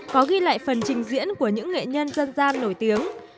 có ghi lại phần trình diễn của những nghệ nhân dân gian nổi tiếng